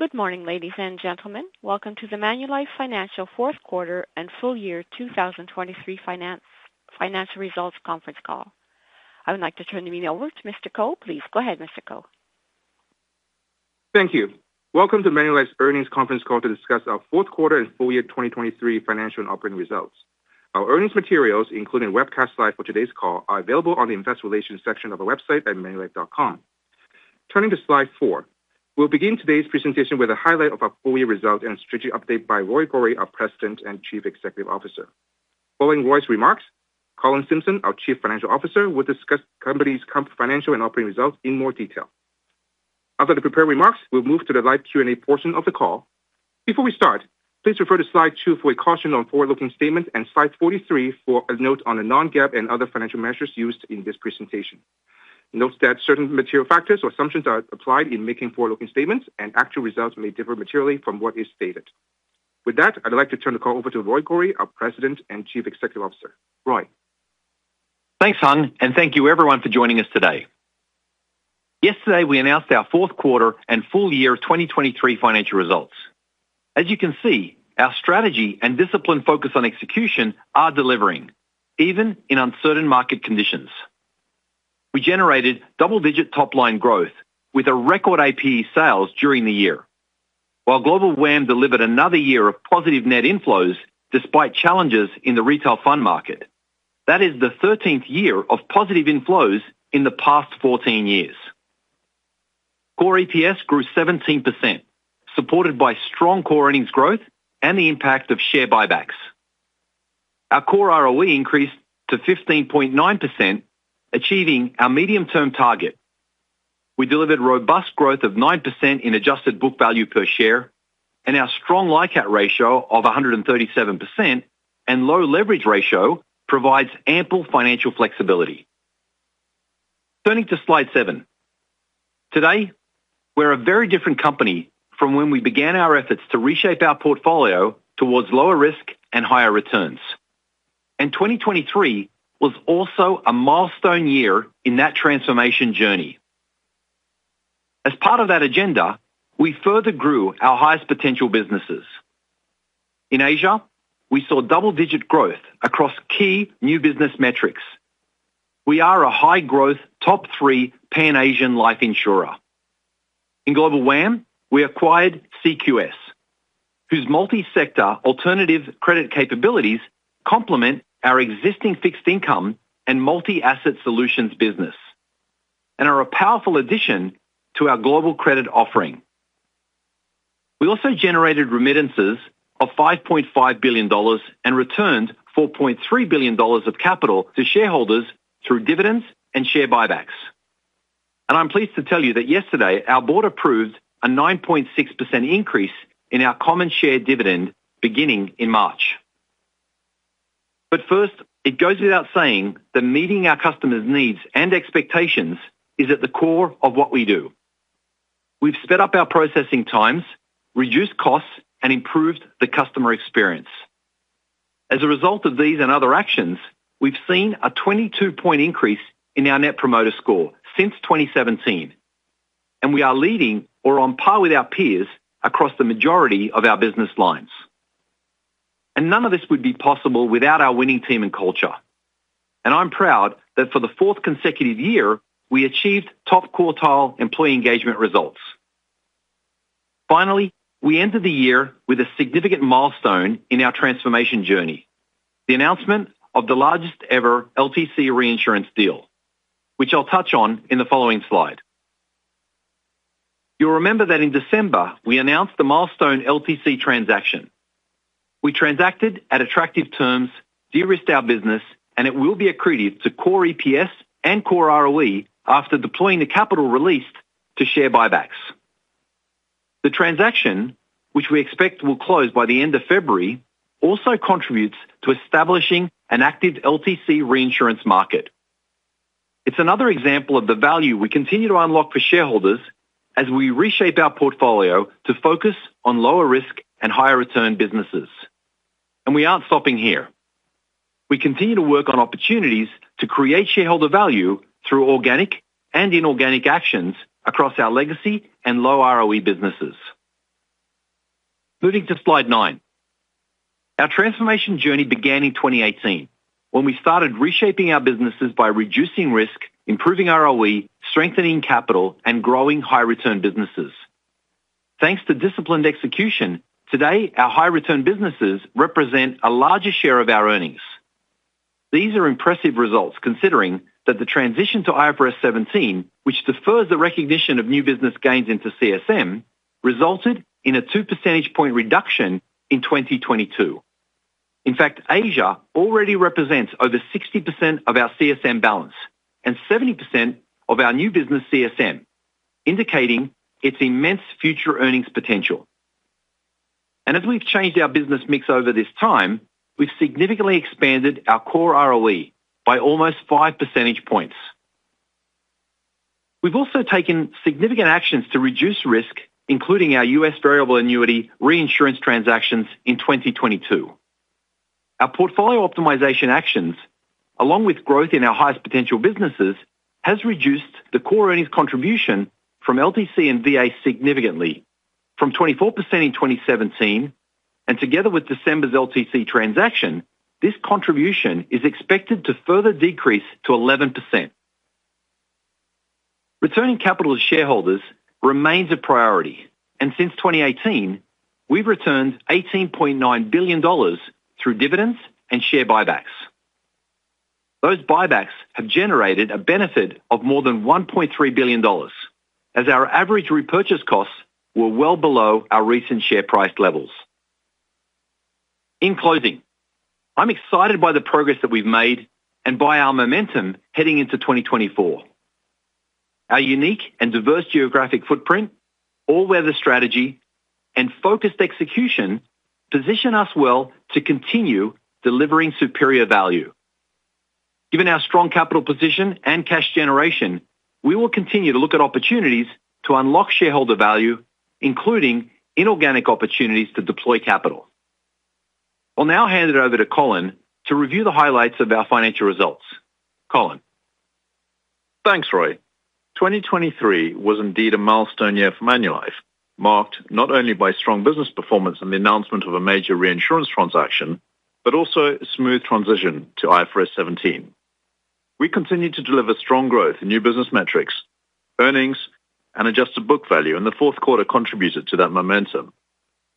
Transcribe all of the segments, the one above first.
Good morning, ladies and gentlemen. Welcome to the Manulife Financial Fourth Quarter and Full Year 2023 Financial Results Conference Call. I would like to turn the meeting over to Mr. Ko. Please go ahead, Mr. Ko. Thank you. Welcome to Manulife's earnings Conference Call to discuss our fourth quarter and full year 2023 financial and operating results. Our earnings materials, including webcast slides for today's call, are available on the investor relations section of our website at manulife.com. Turning to slide four, we'll begin today's presentation with a highlight of our full year results and strategy update by Roy Gori, our President and Chief Executive Officer. Following Roy's remarks, Colin Simpson, our Chief Financial Officer, will discuss the company's financial and operating results in more detail. After the prepared remarks, we'll move to the live Q&A portion of the call. Before we start, please refer to slide two for a caution on forward-looking statements and slide 43 for a note on the non-GAAP and other financial measures used in this presentation. Note that certain material factors or assumptions are applied in making forward-looking statements, and actual results may differ materially from what is stated. With that, I'd like to turn the call over to Roy Gori, our President and Chief Executive Officer. Roy. Thanks, Hung, and thank you, everyone, for joining us today. Yesterday we announced our fourth quarter and full year 2023 financial results. As you can see, our strategy and discipline focused on execution are delivering, even in uncertain market conditions. We generated double-digit top-line growth, with a record APE sales during the year, while Global WAM delivered another year of positive net inflows despite challenges in the retail fund market. That is the 13th year of positive inflows in the past 14 years. Core EPS grew 17%, supported by strong core earnings growth and the impact of share buybacks. Our core ROE increased to 15.9%, achieving our medium-term target. We delivered robust growth of 9% in adjusted book value per share, and our strong LICAT ratio of 137% and low leverage ratio provides ample financial flexibility. Turning to slide seven. Today, we're a very different company from when we began our efforts to reshape our portfolio towards lower risk and higher returns, and 2023 was also a milestone year in that transformation journey. As part of that agenda, we further grew our highest potential businesses. In Asia, we saw double-digit growth across key new business metrics. We are a high-growth top three Pan-Asian life insurer. In Global WAM, we acquired CQS, whose multi-sector alternative credit capabilities complement our existing fixed-income and multi-asset solutions business and are a powerful addition to our global credit offering. We also generated remittances of $5.5 billion and returned $4.3 billion of capital to shareholders through dividends and share buybacks. I'm pleased to tell you that yesterday our board approved a 9.6% increase in our common share dividend beginning in March. First, it goes without saying that meeting our customers' needs and expectations is at the core of what we do. We've sped up our processing times, reduced costs, and improved the customer experience. As a result of these and other actions, we've seen a 22-point increase in our Net Promoter Score since 2017, and we are leading or on par with our peers across the majority of our business lines. None of this would be possible without our winning team and culture, and I'm proud that for the fourth consecutive year we achieved top quartile employee engagement results. Finally, we entered the year with a significant milestone in our transformation journey: the announcement of the largest-ever LTC reinsurance deal, which I'll touch on in the following slide. You'll remember that in December we announced the milestone LTC transaction. We transacted at attractive terms, de-risked our business, and it will be accretive to core EPS and core ROE after deploying the capital released to share buybacks. The transaction, which we expect will close by the end of February, also contributes to establishing an active LTC reinsurance market. It's another example of the value we continue to unlock for shareholders as we reshape our portfolio to focus on lower risk and higher return businesses. We aren't stopping here. We continue to work on opportunities to create shareholder value through organic and inorganic actions across our legacy and low ROE businesses. Moving to slide nine. Our transformation journey began in 2018, when we started reshaping our businesses by reducing risk, improving ROE, strengthening capital, and growing high-return businesses. Thanks to disciplined execution, today our high-return businesses represent a larger share of our earnings. These are impressive results considering that the transition to IFRS 17, which defers the recognition of new business gains into CSM, resulted in a two percentage point reduction in 2022. In fact, Asia already represents over 60% of our CSM balance and 70% of our new business CSM, indicating its immense future earnings potential. As we've changed our business mix over this time, we've significantly expanded our core ROE by almost 5 percentage points. We've also taken significant actions to reduce risk, including our U.S. variable annuity reinsurance transactions in 2022. Our portfolio optimization actions, along with growth in our highest potential businesses, have reduced the core earnings contribution from LTC and VA significantly, from 24% in 2017, and together with December's LTC transaction, this contribution is expected to further decrease to 11%. Returning capital to shareholders remains a priority, and since 2018 we've returned 18.9 billion dollars through dividends and share buybacks. Those buybacks have generated a benefit of more than 1.3 billion dollars, as our average repurchase costs were well below our recent share price levels. In closing, I'm excited by the progress that we've made and by our momentum heading into 2024. Our unique and diverse geographic footprint, all-weather strategy, and focused execution position us well to continue delivering superior value. Given our strong capital position and cash generation, we will continue to look at opportunities to unlock shareholder value, including inorganic opportunities to deploy capital. I'll now hand it over to Colin to review the highlights of our financial results. Colin. Thanks, Roy. 2023 was indeed a milestone year for Manulife, marked not only by strong business performance and the announcement of a major reinsurance transaction, but also a smooth transition to IFRS 17. We continued to deliver strong growth in new business metrics, earnings, and adjusted book value, and the fourth quarter contributed to that momentum.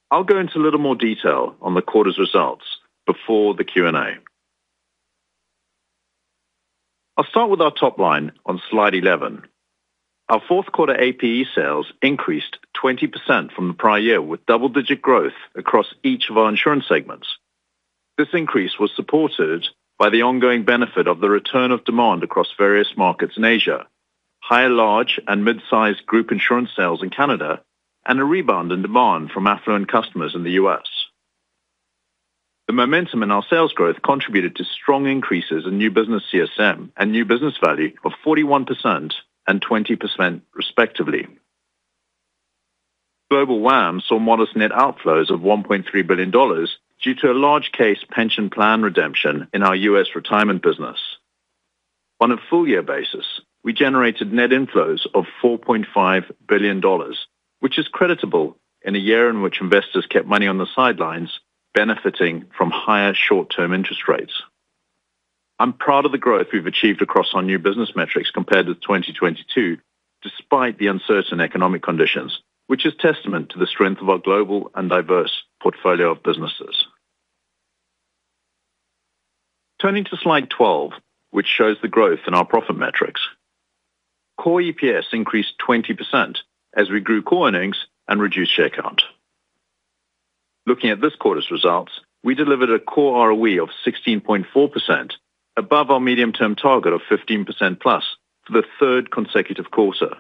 I'll go into a little more detail on the quarter's results before the Q&A. I'll start with our top line on slide 11. Our fourth quarter APE sales increased 20% from the prior year, with double-digit growth across each of our insurance segments. This increase was supported by the ongoing benefit of the return of demand across various markets in Asia, higher large and mid-sized group insurance sales in Canada, and a rebound in demand from affluent customers in the U.S. The momentum in our sales growth contributed to strong increases in new business CSM and new business value of 41% and 20%, respectively. Global WAM saw modest net outflows of $1.3 billion due to a large-case pension plan redemption in our U.S. retirement business. On a full-year basis, we generated net inflows of $4.5 billion, which is creditable in a year in which investors kept money on the sidelines, benefiting from higher short-term interest rates. I'm proud of the growth we've achieved across our new business metrics compared with 2022, despite the uncertain economic conditions, which is testament to the strength of our global and diverse portfolio of businesses. Turning to slide 12, which shows the growth in our profit metrics. Core EPS increased 20% as we grew core earnings and reduced share count. Looking at this quarter's results, we delivered a core ROE of 16.4%, above our medium-term target of 15%+ for the third consecutive quarter.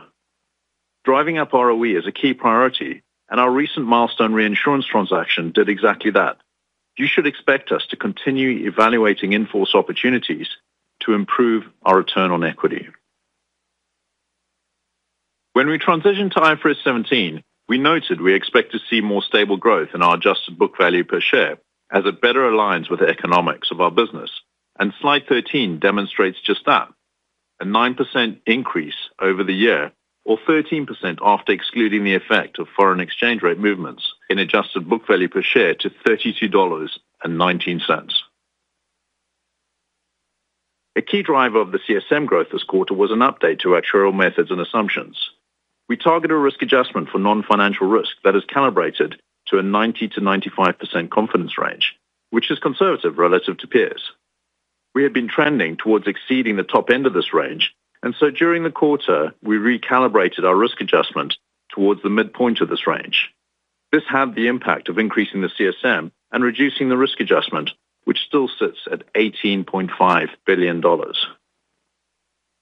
Driving up ROE is a key priority, and our recent milestone reinsurance transaction did exactly that. You should expect us to continue evaluating in-force opportunities to improve our return on equity. When we transitioned to IFRS 17, we noted we expect to see more stable growth in our adjusted book value per share, as it better aligns with the economics of our business. Slide 13 demonstrates just that: a 9% increase over the year, or 13% after excluding the effect of foreign exchange rate movements in adjusted book value per share to $32.19. A key driver of the CSM Growth this quarter was an update to actuarial methods and assumptions. We targeted a risk adjustment for non-financial risk that is calibrated to a 90%-95% confidence range, which is conservative relative to peers. We had been trending towards exceeding the top end of this range, and so during the quarter we recalibrated our risk adjustment towards the midpoint of this range. This had the impact of increasing the CSM and reducing the risk adjustment, which still sits at $18.5 billion.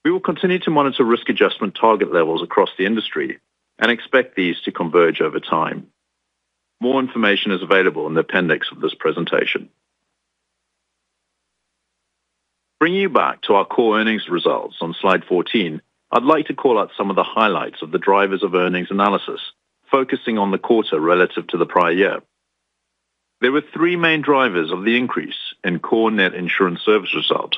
We will continue to monitor risk adjustment target levels across the industry and expect these to converge over time. More information is available in the appendix of this presentation. Bringing you back to our core earnings results on slide 14, I'd like to call out some of the highlights of the drivers of earnings analysis, focusing on the quarter relative to the prior year. There were three main drivers of the increase in core net insurance service result.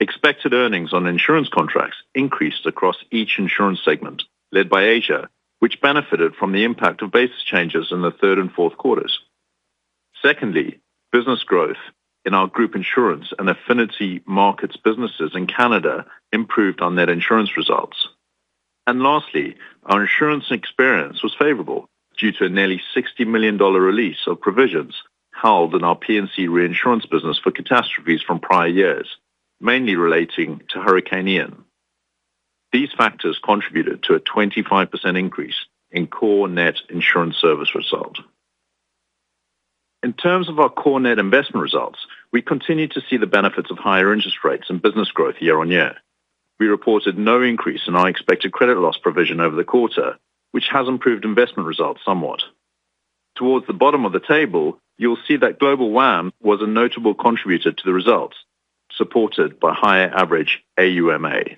Expected earnings on insurance contracts increased across each insurance segment, led by Asia, which benefited from the impact of basis changes in the third and fourth quarters. Secondly, business growth in our group insurance and affinity markets businesses in Canada improved our net insurance results. Lastly, our insurance experience was favorable due to a nearly 60 million dollar release of provisions held in our P&C reinsurance business for catastrophes from prior years, mainly relating to Hurricane Ian. These factors contributed to a 25% increase in core net insurance service result. In terms of our core net investment results, we continue to see the benefits of higher interest rates and business growth year-over-year. We reported no increase in our expected credit loss provision over the quarter, which has improved investment results somewhat. Towards the bottom of the table, you'll see that GWAM was a notable contributor to the results, supported by higher average AUMA.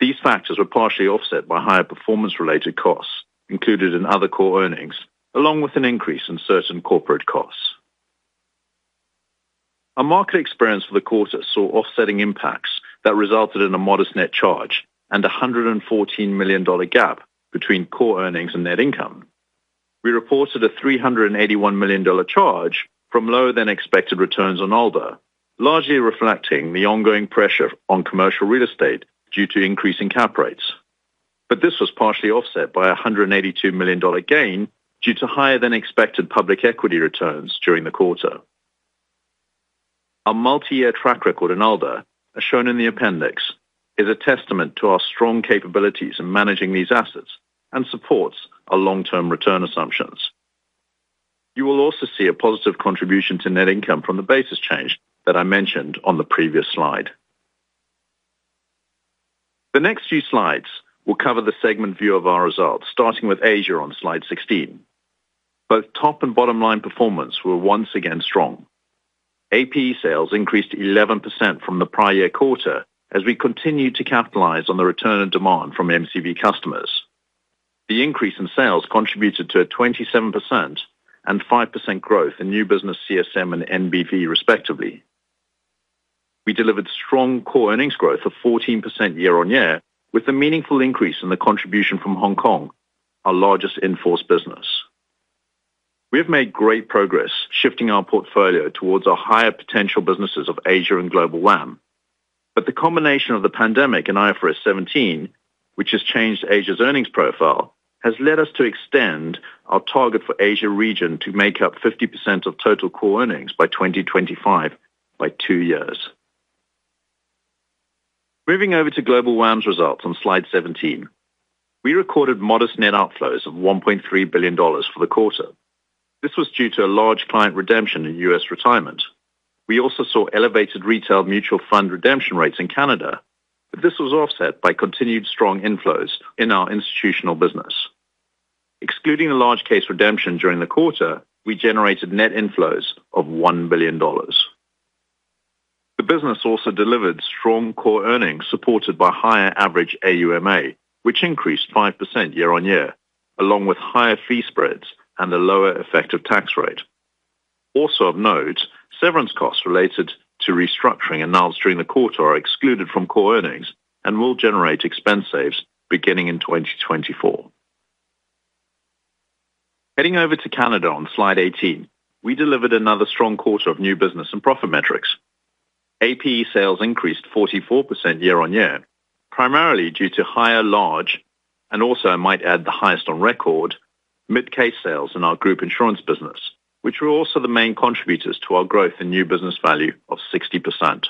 These factors were partially offset by higher performance-related costs, included in other core earnings, along with an increase in certain corporate costs. Our market experience for the quarter saw offsetting impacts that resulted in a modest net charge and a $114 million gap between core earnings and net income. We reported a $381 million charge from lower-than-expected returns on ALDA, largely reflecting the ongoing pressure on commercial real estate due to increasing cap rates. This was partially offset by a $182 million gain due to higher-than-expected public equity returns during the quarter. Our multi-year track record in ALDA, as shown in the appendix, is a testament to our strong capabilities in managing these assets and supports our long-term return assumptions. You will also see a positive contribution to net income from the basis change that I mentioned on the previous slide. The next few slides will cover the segment view of our results, starting with Asia on slide 16. Both top and bottom line performance were once again strong. APE sales increased 11% from the prior-year quarter as we continued to capitalize on the return of demand from MCV customers. The increase in sales contributed to a 27% and 5% growth in new business CSM and NBV, respectively. We delivered strong core earnings growth of 14% year-over-year, with a meaningful increase in the contribution from Hong Kong, our largest in-force business. We have made great progress shifting our portfolio towards our higher potential businesses of Asia and Global WAM. The combination of the pandemic and IFRS 17, which has changed Asia's earnings profile, has led us to extend our target for Asia region to make up 50% of total core earnings by 2025, by two years. Moving over to Global WAM's results on slide 17. We recorded modest net outflows of $1.3 billion for the quarter. This was due to a large client redemption in U.S. retirement. We also saw elevated retail mutual fund redemption rates in Canada, but this was offset by continued strong inflows in our institutional business. Excluding the large-case redemption during the quarter, we generated net inflows of $1 billion. The business also delivered strong core earnings supported by higher average AUMA, which increased 5% year-on-year, along with higher fee spreads and a lower effective tax rate. Also of note, severance costs related to restructuring announced during the quarter are excluded from Core Earnings and will generate expense saves beginning in 2024. Heading over to Canada on slide 18. We delivered another strong quarter of new business and profit metrics. APE sales increased 44% year-over-year, primarily due to higher large and also - I might add the highest on record - mid-case sales in our group insurance business, which were also the main contributors to our growth in New Business Value of 60%.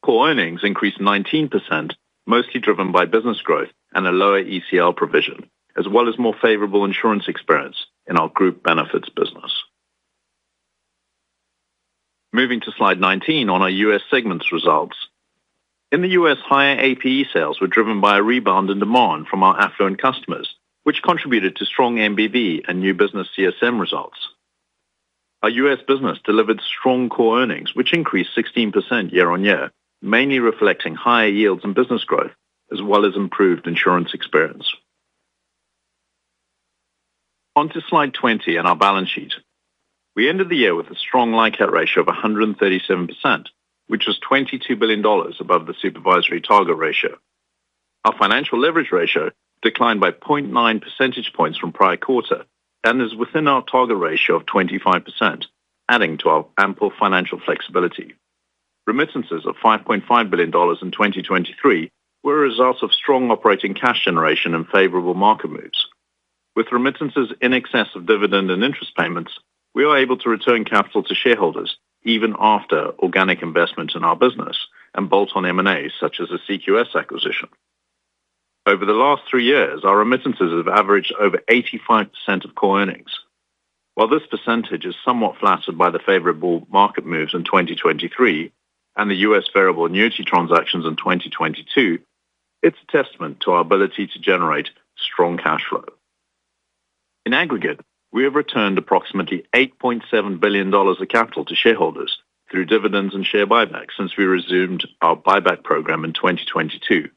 Core Earnings increased 19%, mostly driven by business growth and a lower ECL provision, as well as more favorable insurance experience in our group benefits business. Moving to slide 19 on our U.S. segments results. In the U.S., higher APE sales were driven by a rebound in demand from our affluent customers, which contributed to strong NBV and New Business CSM results. Our U.S. business delivered strong core earnings, which increased 16% year-on-year, mainly reflecting higher yields and business growth, as well as improved insurance experience. Onto slide 20 on our balance sheet. We ended the year with a strong LICAT ratio of 137%, which was 22 billion dollars above the supervisory target ratio. Our financial leverage ratio declined by 0.9 percentage points from prior quarter and is within our target ratio of 25%, adding to our ample financial flexibility. Remittances of 5.5 billion dollars in 2023 were a result of strong operating cash generation and favorable market moves. With remittances in excess of dividend and interest payments, we are able to return capital to shareholders even after organic investment in our business and bolt-on M&As such as a CQS acquisition. Over the last three years, our remittances have averaged over 85% of core earnings. While this percentage is somewhat flattered by the favorable market moves in 2023 and the US variable annuity transactions in 2022, it's a testament to our ability to generate strong cash flow. In aggregate, we have returned approximately $8.7 billion of capital to shareholders through dividends and share buybacks since we resumed our buyback program in 2022.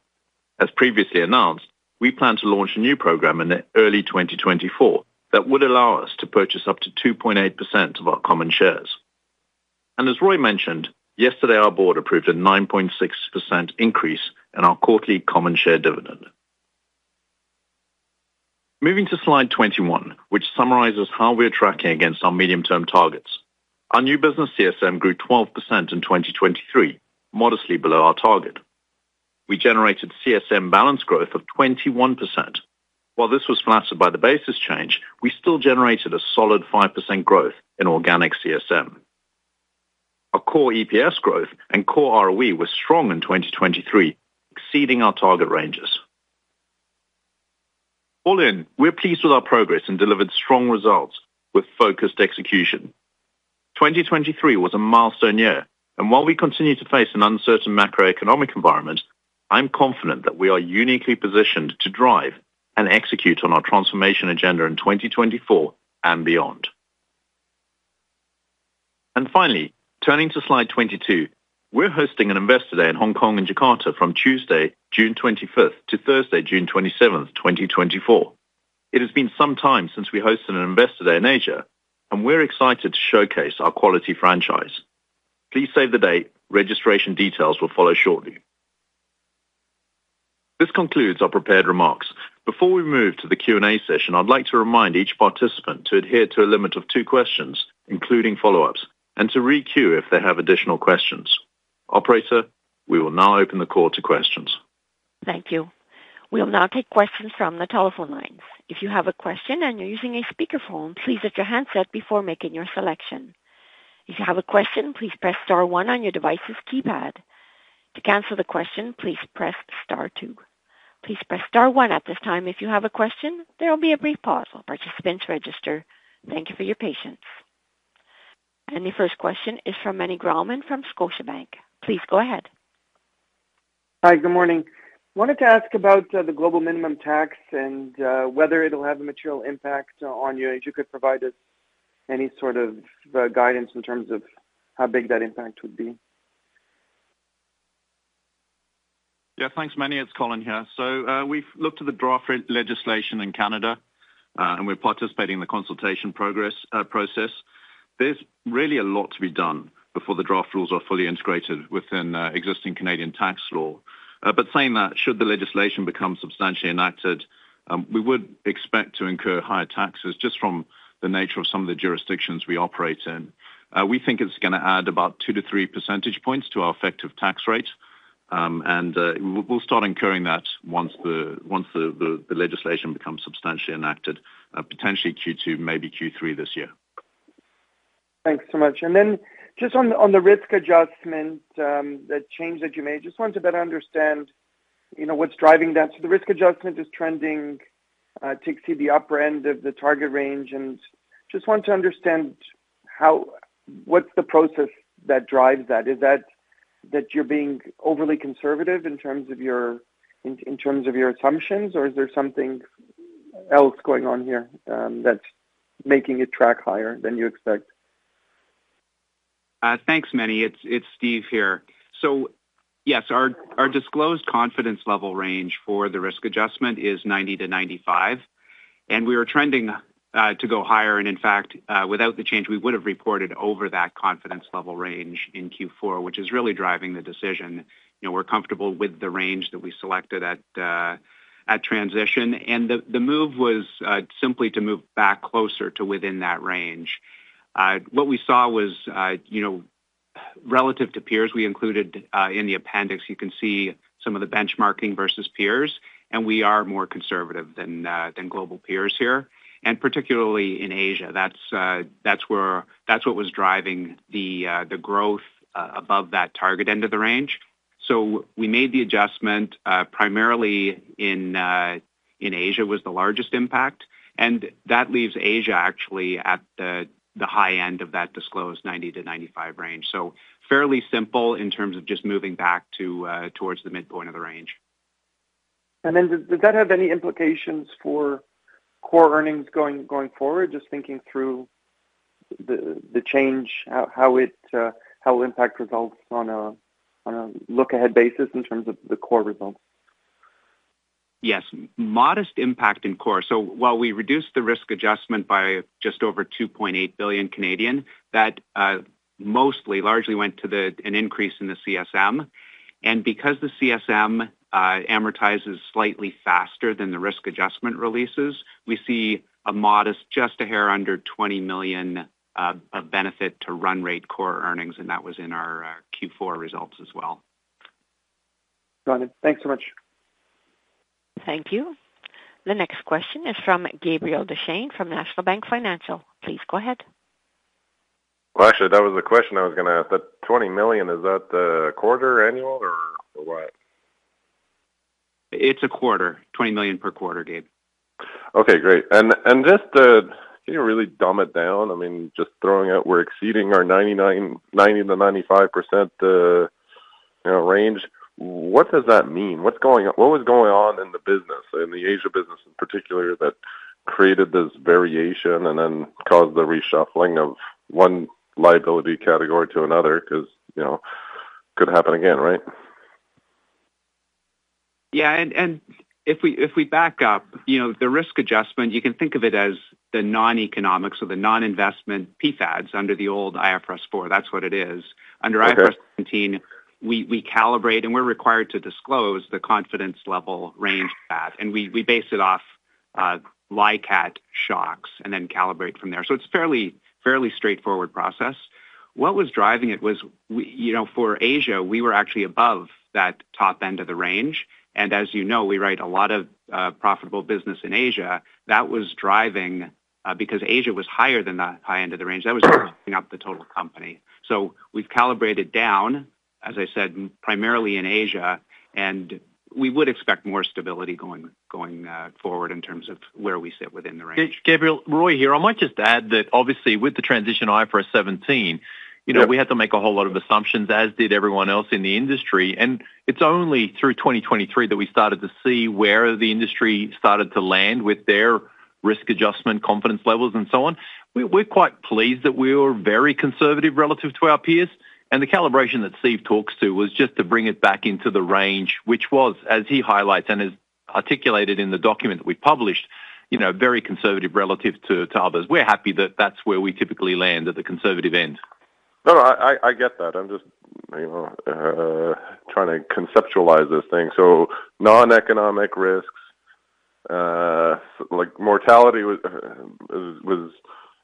As previously announced, we plan to launch a new program in early 2024 that would allow us to purchase up to 2.8% of our common shares. As Roy mentioned, yesterday our board approved a 9.6% increase in our quarterly common share dividend. Moving to slide 21, which summarizes how we are tracking against our medium-term targets. Our new business CSM grew 12% in 2023, modestly below our target. We generated CSM balance growth of 21%. While this was flattered by the basis change, we still generated a solid 5% growth in organic CSM. Our core EPS growth and core ROE were strong in 2023, exceeding our target ranges. All in, we're pleased with our progress and delivered strong results with focused execution. 2023 was a milestone year, and while we continue to face an uncertain macroeconomic environment, I'm confident that we are uniquely positioned to drive and execute on our transformation agenda in 2024 and beyond. Finally, turning to slide 22. We're hosting an Investor Day in Hong Kong and Jakarta from Tuesday, June 25, to Thursday, June 27, 2024. It has been some time since we hosted an Investor Day in Asia, and we're excited to showcase our quality franchise. Please save the date. Registration details will follow shortly. This concludes our prepared remarks. Before we move to the Q&A session, I'd like to remind each participant to adhere to a limit of two questions, including follow-ups, and to re-queue if they have additional questions. Operator, we will now open the call to questions. Thank you. We will now take questions from the telephone lines. If you have a question and you're using a speakerphone, please set your handset before making your selection. If you have a question, please press star one on your device's keypad. To cancel the question, please press star two. Please press star one at this time. If you have a question, there will be a brief pause. Will participants register? Thank you for your patience. The first question is from Meny Grauman from Scotiabank. Please go ahead. Hi, good morning. Wanted to ask about the Global Minimum Tax and whether it'll have a material impact on you. If you could provide us any sort of guidance in terms of how big that impact would be? Yeah, thanks Meny. It's Colin here. So we've looked at the draft legislation in Canada, and we're participating in the consultation process. There's really a lot to be done before the draft rules are fully integrated within existing Canadian tax law. But saying that, should the legislation become substantially enacted, we would expect to incur higher taxes just from the nature of some of the jurisdictions we operate in. We think it's going to add about 2%-3% to our effective tax rate, and we'll start incurring that once the legislation becomes substantially enacted, potentially Q2, maybe Q3 this year. Thanks so much. And then just on the risk adjustment, that change that you made, just want to better understand what's driving that? So the risk adjustment is trending to exceed the upper end of the target range, and just want to understand what's the process that drives that. Is that you're being overly conservative in terms of your assumptions, or is there something else going on here that's making it track higher than you expect? Thanks Meny. It's Steve here. So yes, our disclosed confidence level range for the risk adjustment is 90%-95%, and we are trending to go higher. And in fact, without the change, we would have reported over that confidence level range in Q4, which is really driving the decision. We're comfortable with the range that we selected at transition, and the move was simply to move back closer to within that range. What we saw was, relative to peers we included in the appendix, you can see some of the benchmarking versus peers, and we are more conservative than global peers here, and particularly in Asia. That's what was driving the growth above that target end of the range. So we made the adjustment primarily in Asia was the largest impact, and that leaves Asia actually at the high end of that disclosed 90-95 range. So fairly simple in terms of just moving back towards the midpoint of the range. And then does that have any implications for core earnings going forward? Just thinking through the change, how it will impact results on a look-ahead basis in terms of the core results. Yes, modest impact in core. So while we reduced the risk adjustment by just over 2.8 billion, that mostly largely went to an increase in the CSM. Because the CSM amortizes slightly faster than the risk adjustment releases, we see a modest, just a hair under 20 million of benefit to run-rate core earnings, and that was in our Q4 results as well. Got it. Thanks so much. Thank you. The next question is from Gilbert Deschênes from National Bank Financial. Please go ahead. Well, actually, that was the question I was going to ask. That 20 million, is that quarter, annual, or what? It's a quarter, 20 million per quarter, Gabe. Okay, great. And just to really dumb it down, I mean, just throwing out we're exceeding our 90%-95% range, what does that mean? What was going on in the business, in the Asia business in particular, that created this variation and then caused the reshuffling of one liability category to another? Because it could happen again, right? Yeah, and if we back up, the risk adjustment, you can think of it as the non-economic, so the non-investment PFADs under the old IFRS 4. That's what it is. Under IFRS 17, we calibrate, and we're required to disclose the confidence level range for that. And we base it off like-out shocks and then calibrate from there. So it's a fairly straightforward process. What was driving it was, for Asia, we were actually above that top end of the range. And as you know, we write a lot of profitable business in Asia. That was driving because Asia was higher than that high end of the range. That was driving up the total company. So we've calibrated down, as I said, primarily in Asia, and we would expect more stability going forward in terms of where we sit within the range. Gabriel, Roy here. I might just add that, obviously, with the transition to IFRS 17, we had to make a whole lot of assumptions, as did everyone else in the industry. It's only through 2023 that we started to see where the industry started to land with their risk adjustment confidence levels and so on. We're quite pleased that we were very conservative relative to our peers, and the calibration that Steve talks to was just to bring it back into the range, which was, as he highlights and has articulated in the document that we published, very conservative relative to others. We're happy that that's where we typically land, at the conservative end. No, no, I get that. I'm just trying to conceptualize this thing. So non-economic risks, like mortality was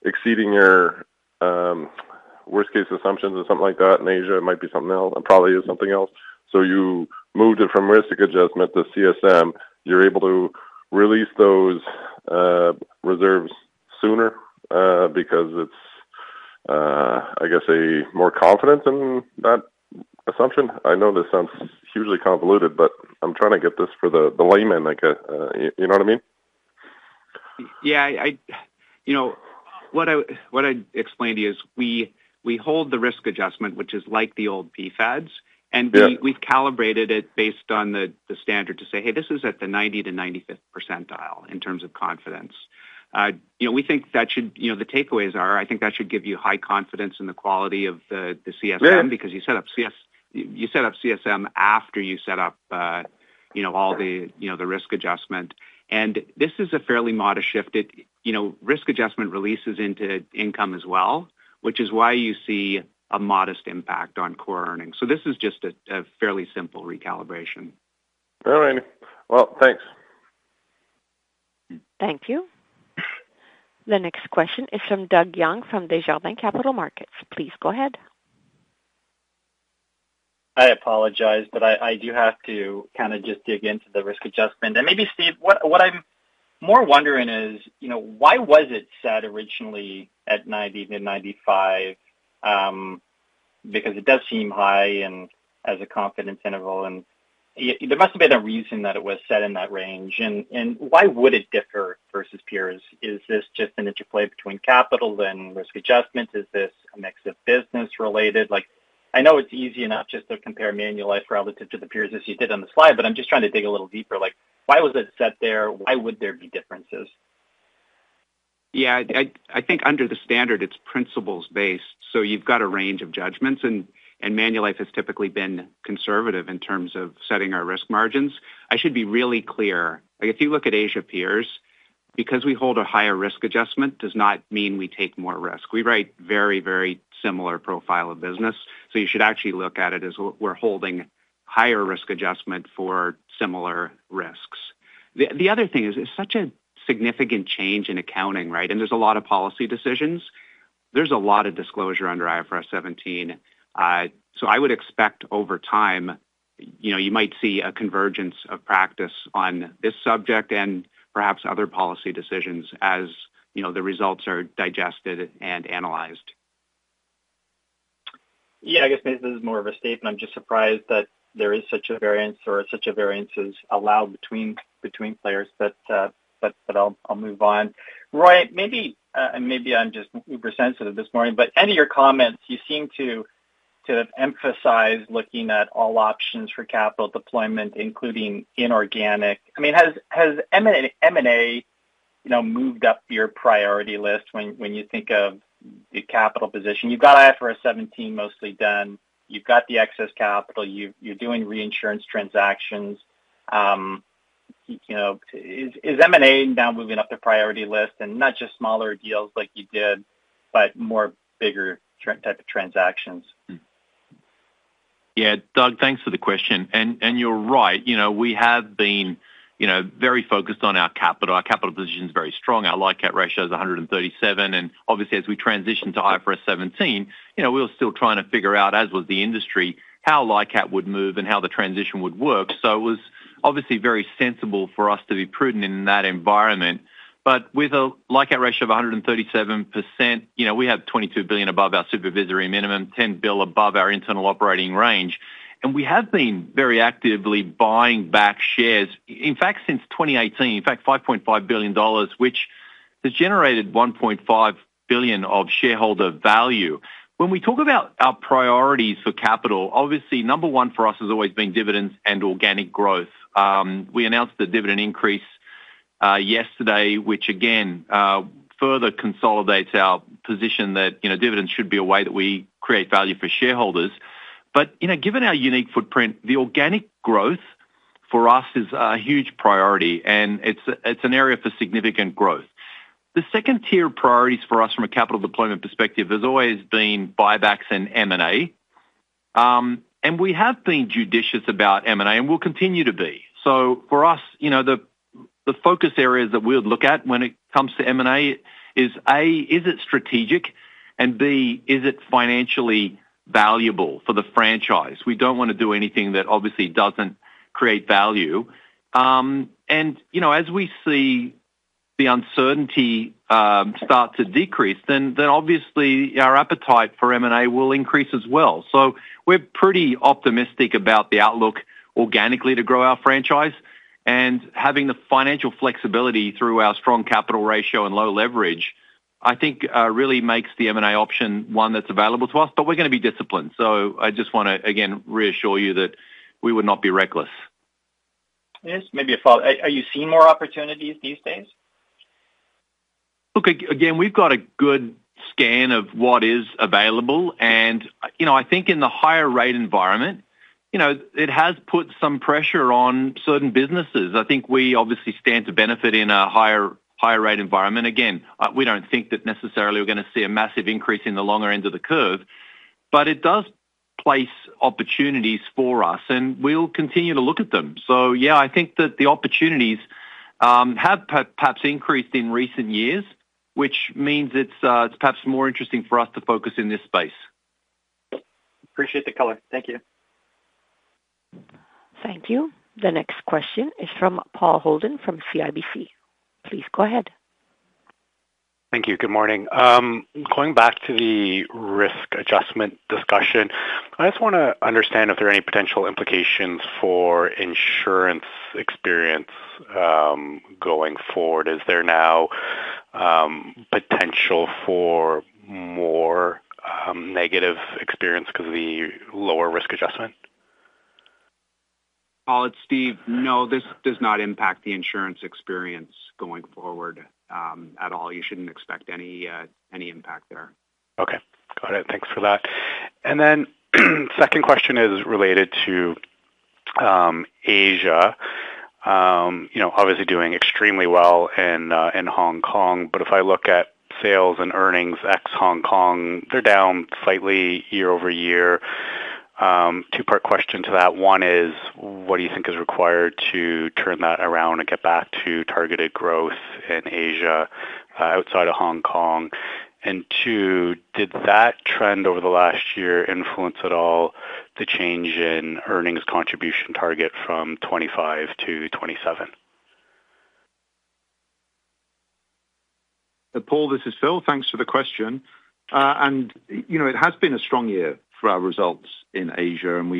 exceeding your worst-case assumptions or something like that in Asia. It might be something else. It probably is something else. So you moved it from Risk Adjustment to CSM. You're able to release those reserves sooner because it's, I guess, more confidence in that assumption. I know this sounds hugely convoluted, but I'm trying to get this for the layman, you know what I mean? Yeah, what I explained to you is we hold the Risk Adjustment, which is like the old PFADs, and we've calibrated it based on the standard to say, "Hey, this is at the 90th-95th percentile in terms of confidence." We think that should the takeaways are, I think that should give you high confidence in the quality of the CSM because you set up CSM after you set up all the Risk Adjustment. And this is a fairly modest shift. Risk Adjustment releases into income as well, which is why you see a modest impact on Core Earnings. So this is just a fairly simple recalibration. Fair enough. Well, thanks. Thank you. The next question is from Doug Young from Desjardins Capital Markets. Please go ahead. I apologize, but I do have to kind of just dig into the risk adjustment. And maybe, Steve, what I'm more wondering is, why was it set originally at 90%-95%? Because it does seem high as a confidence interval, and there must have been a reason that it was set in that range. And why would it differ versus peers? Is this just an interplay between capital and risk adjustments? Is this a mix of business-related? I know it's easy enough just to compare Manulife relative to the peers, as you did on the slide, but I'm just trying to dig a little deeper. Why was it set there? Why would there be differences? Yeah, I think under the standard, it's principles-based. So you've got a range of judgments, and Manulife has typically been conservative in terms of setting our risk margins. I should be really clear. If you look at Asia peers, because we hold a higher risk adjustment does not mean we take more risk. We write very, very similar profile of business, so you should actually look at it as we're holding higher risk adjustment for similar risks. The other thing is, it's such a significant change in accounting, right? And there's a lot of policy decisions. There's a lot of disclosure under IFRS 17. So I would expect, over time, you might see a convergence of practice on this subject and perhaps other policy decisions as the results are digested and analyzed. Yeah, I guess maybe this is more of a statement. I'm just surprised that there is such a variance or such a variance is allowed between players, but I'll move on. Roy, maybe I'm just oversensitive this morning, but any of your comments, you seem to have emphasized looking at all options for capital deployment, including inorganic. I mean, has M&A moved up your priority list when you think of the capital position? You've got IFRS 17 mostly done. You've got the excess capital. You're doing reinsurance transactions. Is M&A now moving up the priority list, and not just smaller deals like you did, but more bigger type of transactions? Yeah, Doug, thanks for the question. And you're right. We have been very focused on our capital. Our capital position is very strong. Our LICAT ratio is 137%. And obviously, as we transition to IFRS 17, we were still trying to figure out, as was the industry, how LICAT would move and how the transition would work. So it was obviously very sensible for us to be prudent in that environment. But with a LICAT ratio of 137%, we have 22 billion above our supervisory minimum, 10 billion above our internal operating range, and we have been very actively buying back shares, in fact, since 2018. In fact, 5.5 billion dollars, which has generated 1.5 billion of shareholder value. When we talk about our priorities for capital, obviously, number one for us has always been dividends and organic growth. We announced a dividend increase yesterday, which, again, further consolidates our position that dividends should be a way that we create value for shareholders. But given our unique footprint, the organic growth for us is a huge priority, and it's an area for significant growth. The second tier of priorities for us from a capital deployment perspective has always been buybacks and M&A. We have been judicious about M&A, and we'll continue to be. So for us, the focus areas that we would look at when it comes to M&A is, A, is it strategic, and B, is it financially valuable for the franchise? We don't want to do anything that obviously doesn't create value. As we see the uncertainty start to decrease, then obviously, our appetite for M&A will increase as well. So we're pretty optimistic about the outlook organically to grow our franchise. Having the financial flexibility through our strong capital ratio and low leverage, I think, really makes the M&A option one that's available to us. But we're going to be disciplined. So I just want to, again, reassure you that we would not be reckless. Yes, maybe a follow-up. Are you seeing more opportunities these days? Look, again, we've got a good scan of what is available. And I think in the higher-rate environment, it has put some pressure on certain businesses. I think we obviously stand to benefit in a higher-rate environment. Again, we don't think that necessarily we're going to see a massive increase in the longer end of the curve, but it does place opportunities for us, and we'll continue to look at them. So yeah, I think that the opportunities have perhaps increased in recent years, which means it's perhaps more interesting for us to focus in this space. Appreciate the color. Thank you. Thank you. The next question is from Paul Holden from CIBC. Please go ahead. Thank you. Good morning. Going back to the risk adjustment discussion, I just want to understand if there are any potential implications for insurance experience going forward. Is there now potential for more negative experience because of the lower risk adjustment? Paul, it's Steve. No, this does not impact the insurance experience going forward at all. You shouldn't expect any impact there. Okay. Got it. Thanks for that. And then second question is related to Asia. Obviously, doing extremely well in Hong Kong, but if I look at sales and earnings ex-Hong Kong, they're down slightly year-over-year. Two-part question to that. One is, what do you think is required to turn that around and get back to targeted growth in Asia outside of Hong Kong? And two, did that trend over the last year influence at all the change in earnings contribution target from 2025 to 2027? Paul, this is Phil. Thanks for the question. It has been a strong year for our results in Asia, and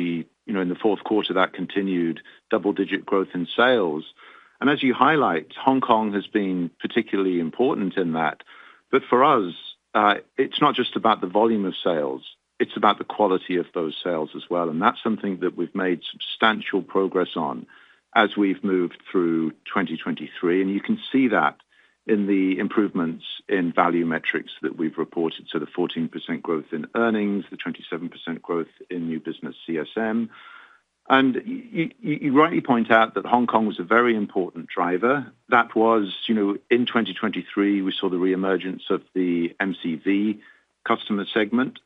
in the fourth quarter, that continued double-digit growth in sales. As you highlight, Hong Kong has been particularly important in that. But for us, it's not just about the volume of sales. It's about the quality of those sales as well. That's something that we've made substantial progress on as we've moved through 2023. You can see that in the improvements in value metrics that we've reported. The 14% growth in earnings, the 27% growth in new business CSM. You rightly point out that Hong Kong was a very important driver. That was, in 2023, we saw the reemergence of the MCV customer segment.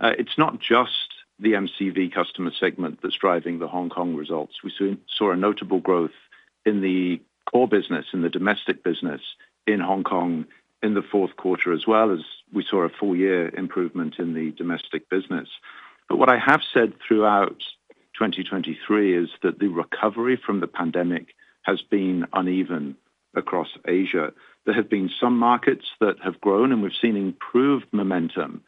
It's not just the MCV customer segment that's driving the Hong Kong results. We saw a notable growth in the core business, in the domestic business in Hong Kong in the fourth quarter as well, as we saw a full-year improvement in the domestic business. But what I have said throughout 2023 is that the recovery from the pandemic has been uneven across Asia. There have been some markets that have grown, and we've seen improved momentum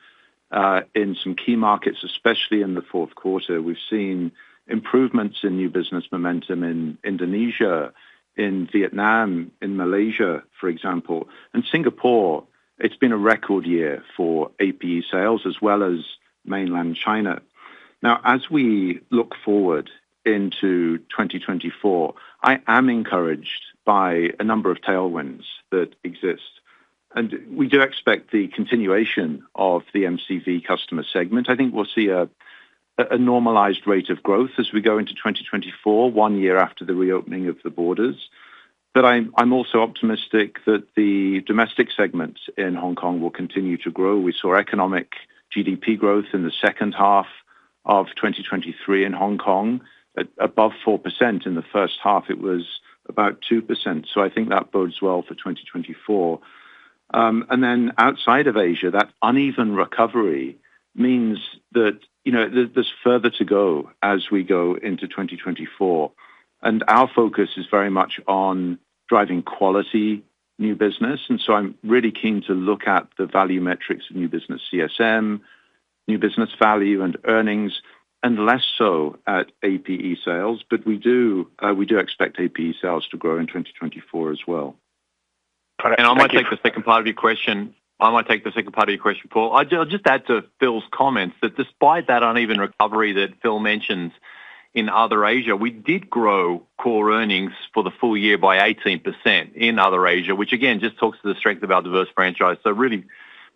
in some key markets, especially in the fourth quarter. We've seen improvements in new business momentum in Indonesia, in Vietnam, in Malaysia, for example. Singapore, it's been a record year for APE sales as well as Mainland China. Now, as we look forward into 2024, I am encouraged by a number of tailwinds that exist. We do expect the continuation of the MCV customer segment. I think we'll see a normalized rate of growth as we go into 2024, one year after the reopening of the borders. But I'm also optimistic that the domestic segments in Hong Kong will continue to grow. We saw economic GDP growth in the second half of 2023 in Hong Kong above 4%. In the first half, it was about 2%. So I think that bodes well for 2024. And then outside of Asia, that uneven recovery means that there's further to go as we go into 2024. And our focus is very much on driving quality new business. And so I'm really keen to look at the value metrics of new business CSM, new business value and earnings, and less so at APE sales. But we do expect APE sales to grow in 2024 as well. Got it. I might take the second part of your question, Paul. I'll just add to Phil's comments that despite that uneven recovery that Phil mentions in other Asia, we did grow core earnings for the full year by 18% in other Asia, which, again, just talks to the strength of our diverse franchise. So really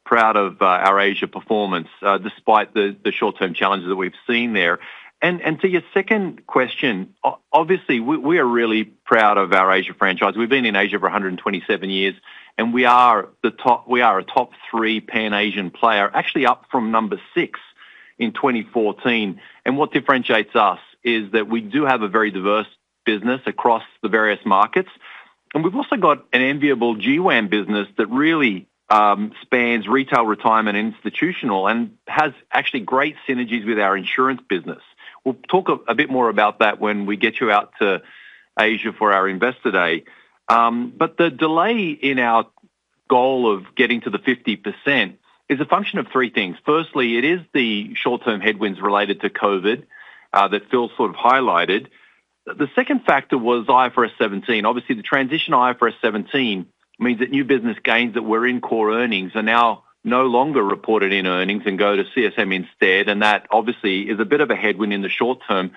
proud of our Asia performance despite the short-term challenges that we've seen there. And to your second question, obviously, we are really proud of our Asia franchise. We've been in Asia for 127 years, and we are a top three Pan-Asian player, actually up from number six in 2014. And what differentiates us is that we do have a very diverse business across the various markets. We've also got an enviable GWAM business that really spans retail, retirement, and institutional, and has actually great synergies with our insurance business. We'll talk a bit more about that when we get you out to Asia for our investor day. But the delay in our goal of getting to the 50% is a function of three things. Firstly, it is the short-term headwinds related to COVID that Phil sort of highlighted. The second factor was IFRS 17. Obviously, the transition to IFRS 17 means that new business gains that were in core earnings are now no longer reported in earnings and go to CSM instead. And that, obviously, is a bit of a headwind in the short term.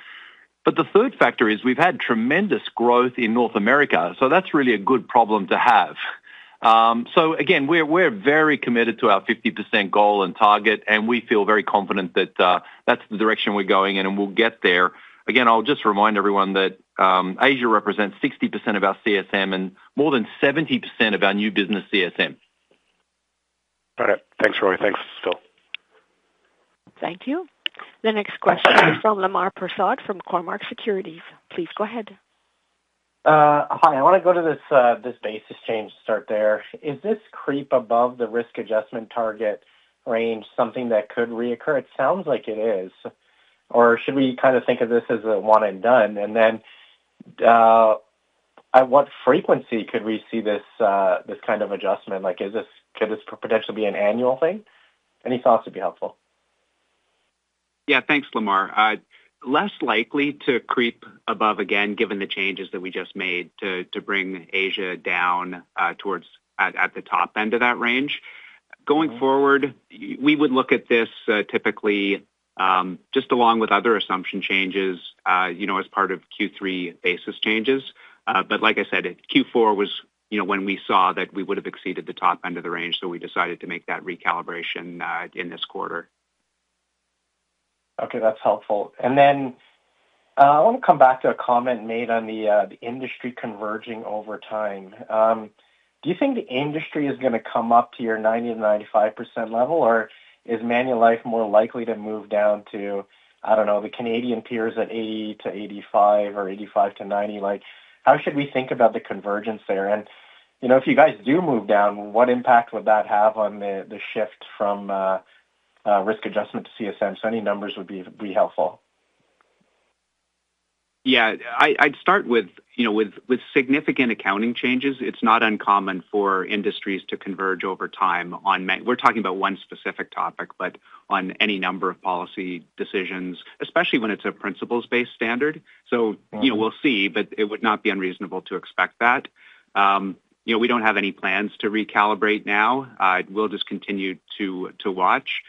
But the third factor is we've had tremendous growth in North America. So that's really a good problem to have. So again, we're very committed to our 50% goal and target, and we feel very confident that that's the direction we're going in, and we'll get there. Again, I'll just remind everyone that Asia represents 60% of our CSM and more than 70% of our new business CSM. Got it. Thanks, Roy. Thanks, Phil. Thank you. The next question is from Lamar Prasad from Cormark Securities. Please go ahead. Hi. I want to go to this basis change to start there. Is this creep above the risk adjustment target range something that could recur? It sounds like it is. Or should we kind of think of this as a one-and-done? And then at what frequency could we see this kind of adjustment? Could this potentially be an annual thing? Any thoughts would be helpful. Yeah, thanks, Lamar. Less likely to creep above again given the changes that we just made to bring Asia down at the top end of that range. Going forward, we would look at this typically just along with other assumption changes as part of Q3 basis changes. But like I said, Q4 was when we saw that we would have exceeded the top end of the range, so we decided to make that recalibration in this quarter. Okay. That's helpful. And then I want to come back to a comment made on the industry converging over time. Do you think the industry is going to come up to your 90%-95% level, or is Manulife more likely to move down to, I don't know, the Canadian peers at 80%-85% or 85%-90%? How should we think about the convergence there? If you guys do move down, what impact would that have on the shift from risk adjustment to CSM? Any numbers would be helpful. Yeah. I'd start with significant accounting changes. It's not uncommon for industries to converge over time on what we're talking about one specific topic, but on any number of policy decisions, especially when it's a principles-based standard. We'll see, but it would not be unreasonable to expect that. We don't have any plans to recalibrate now. We'll just continue to watch.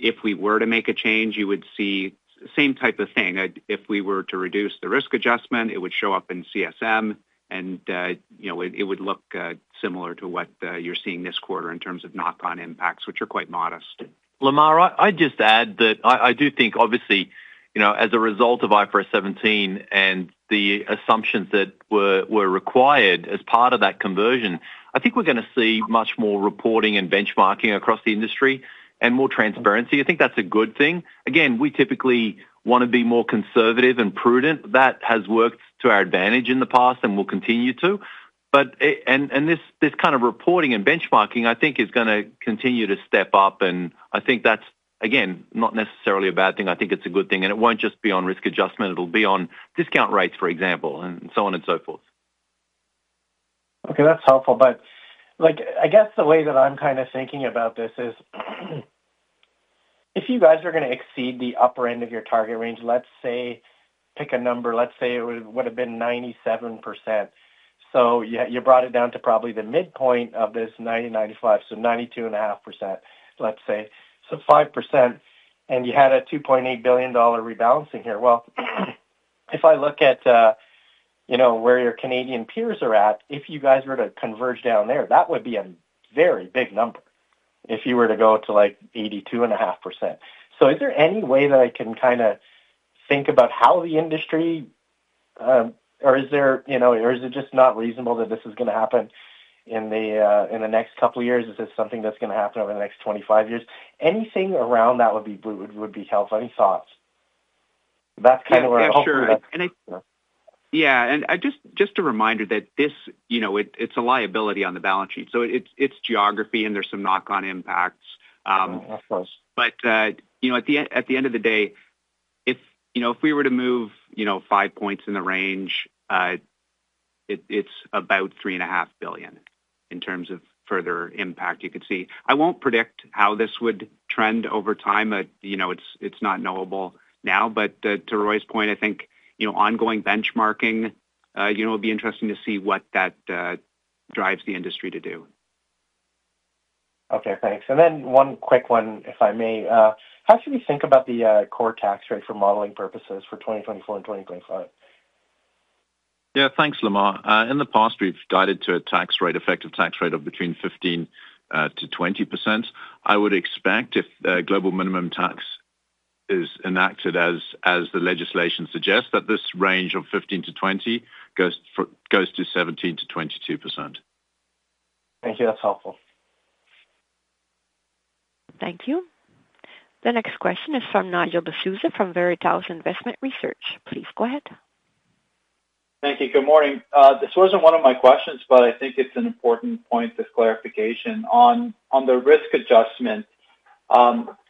If we were to make a change, you would see the same type of thing. If we were to reduce the risk adjustment, it would show up in CSM, and it would look similar to what you're seeing this quarter in terms of knock-on impacts, which are quite modest. Lamar, I'd just add that I do think, obviously, as a result of IFRS 17 and the assumptions that were required as part of that conversion, I think we're going to see much more reporting and benchmarking across the industry and more transparency. I think that's a good thing. Again, we typically want to be more conservative and prudent. That has worked to our advantage in the past, and we'll continue to. This kind of reporting and benchmarking, I think, is going to continue to step up. I think that's, again, not necessarily a bad thing. I think it's a good thing. It won't just be on risk adjustment. It'll be on discount rates, for example, and so on and so forth. Okay. That's helpful. But I guess the way that I'm kind of thinking about this is if you guys are going to exceed the upper end of your target range, let's say pick a number. Let's say it would have been 97%. So you brought it down to probably the midpoint of this 90%-95%, so 92.5%, let's say, so 5%, and you had a $2.8 billion rebalancing here. Well, if I look at where your Canadian peers are at, if you guys were to converge down there, that would be a very big number if you were to go to 82.5%. So is there any way that I can kind of think about how the industry or is it just not reasonable that this is going to happen in the next couple of years? Is this something that's going to happen over the next 25 years? Anything around that would be helpful. Any thoughts? That's kind of where I hope to reach. Yeah. And just a reminder that it's a liability on the balance sheet. So it's geography, and there's some knock-on impacts. But at the end of the day, if we were to move five points in the range, it's about 3.5 billion in terms of further impact you could see. I won't predict how this would trend over time. It's not knowable now. But to Roy's point, I think ongoing benchmarking would be interesting to see what that drives the industry to do. Okay. Thanks. And then one quick one, if I may. How should we think about the core tax rate for modeling purposes for 2024 and 2025? Yeah. Thanks, Lamar. In the past, we've guided to a tax rate, effective tax rate of between 15%-20%. I would expect, if Global Minimum Tax is enacted as the legislation suggests, that this range of 15%-20% goes to 17%-22%. Thank you. That's helpful. Thank you. The next question is from Nigel D'Souza from Veritas Investment Research. Please go ahead. Thank you. Good morning. This wasn't one of my questions, but I think it's an important point, this clarification. On the risk adjustment,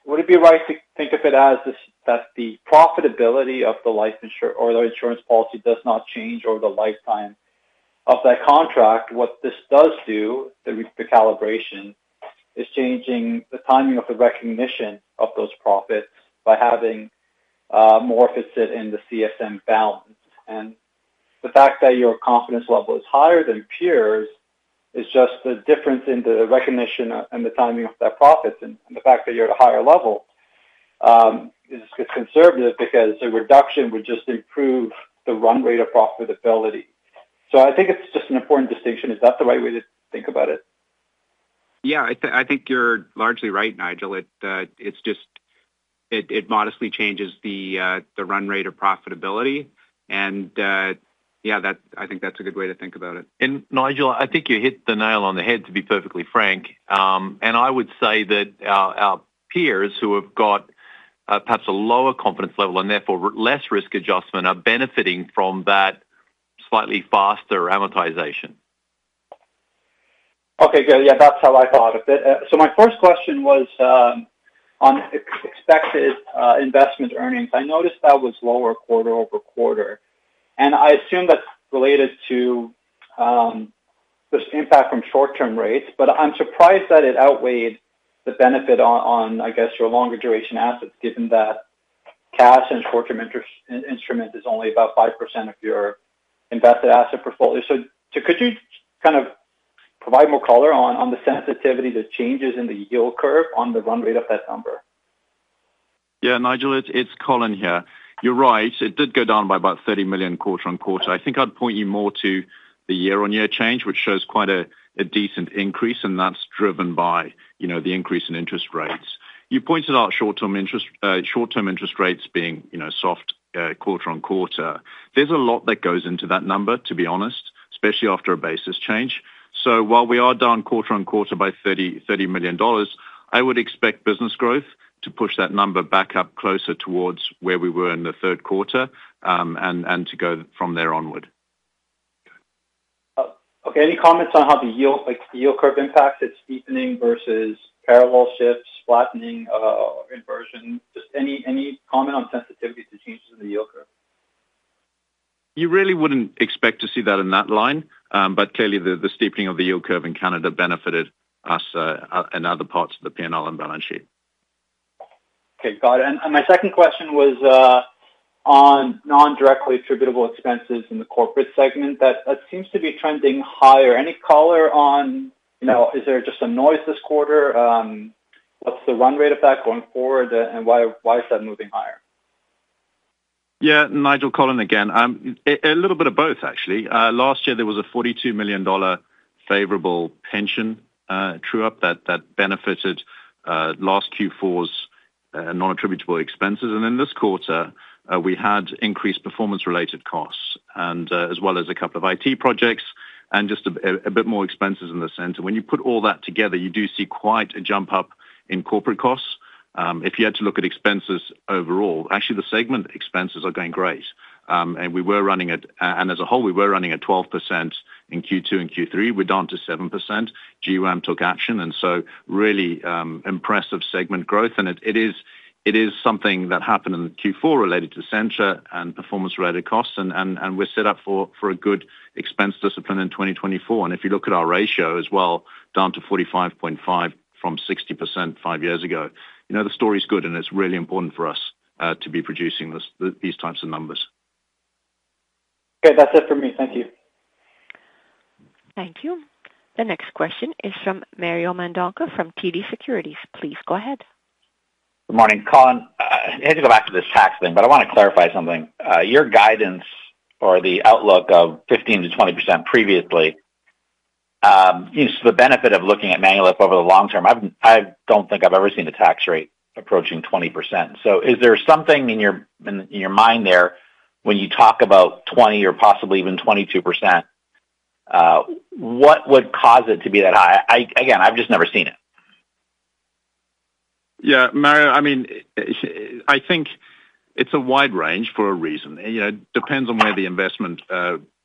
would it be right to think of it as that the profitability of the life insurance or the insurance policy does not change over the lifetime of that contract? What this does do, the recalibration, is changing the timing of the recognition of those profits by having more of it sit in the CSM balance. And the fact that your confidence level is higher than peers is just the difference in the recognition and the timing of that profit. And the fact that you're at a higher level is conservative because a reduction would just improve the run rate of profitability. So I think it's just an important distinction. Is that the right way to think about it? Yeah. I think you're largely right, Nigel. It modestly changes the run rate of profitability. And yeah, I think that's a good way to think about it. And Nigel, I think you hit the nail on the head, to be perfectly frank. And I would say that our peers who have got perhaps a lower confidence level and therefore less risk adjustment are benefiting from that slightly faster amortization. Okay. Good. Yeah. That's how I thought of it. So my first question was on expected investment earnings. I noticed that was lower quarter-over-quarter. And I assume that's related to this impact from short-term rates. But I'm surprised that it outweighed the benefit on, I guess, your longer-duration assets, given that cash and short-term instrument is only about 5% of your invested asset portfolio. So could you kind of provide more color on the sensitivity to changes in the yield curve on the run rate of that number? Yeah. Nigel, it's Colin here. You're right. It did go down by about 30 million quarter-over-quarter. I think I'd point you more to the year-on-year change, which shows quite a decent increase, and that's driven by the increase in interest rates. You pointed out short-term interest rates being soft quarter-over-quarter. There's a lot that goes into that number, to be honest, especially after a basis change. So while we are down quarter-over-quarter by 30 million dollars, I would expect business growth to push that number back up closer towards where we were in the third quarter and to go from there onward. Okay. Any comments on how the yield curve impacts its steepening versus parallel shifts, flattening, inversion? Just any comment on sensitivity to changes in the yield curve? You really wouldn't expect to see that in that line. But clearly, the steepening of the yield curve in Canada benefited us and other parts of the P&L and balance sheet. Okay. Got it. And my second question was on non-directly attributable expenses in the corporate segment. That seems to be trending higher. Any color on, is there just some noise this quarter? What's the run rate of that going forward, and why is that moving higher? Yeah. Nigel, Colin again. A little bit of both, actually. Last year, there was a $42 million favorable pension true-up that benefited last Q4's non-attributable expenses. And then this quarter, we had increased performance-related costs as well as a couple of IT projects and just a bit more expenses in the center. When you put all that together, you do see quite a jump-up in corporate costs. If you had to look at expenses overall, actually, the segment expenses are going great. And as a whole, we were running at 12% in Q2 and Q3. We're down to 7%. GWAM took action. And so really impressive segment growth. And it is something that happened in Q4 related to center and performance-related costs. And we're set up for a good expense discipline in 2024. And if you look at our ratio as well, down to 45.5 from 60% five years ago, the story's good, and it's really important for us to be producing these types of numbers. Okay. That's it for me. Thank you. Thank you. The next question is from Mario Mendonca from TD Securities. Please go ahead. Good morning, Colin. I had to go back to this tax thing, but I want to clarify something. Your guidance or the outlook of 15%-20% previously, so the benefit of looking at Manulife over the long term, I don't think I've ever seen a tax rate approaching 20%. So is there something in your mind there when you talk about 20% or possibly even 22%? What would cause it to be that high? Again, I've just never seen it. Yeah. Mario, I mean, I think it's a wide range for a reason. It depends on where the investment